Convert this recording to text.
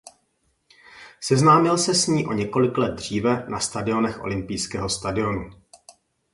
Seznámil se s ní o několik let dříve na stadionech olympijského stadionu.